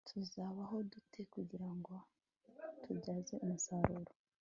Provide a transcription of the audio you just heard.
tuzabaho dute kugira ngo tubyaze umusaruro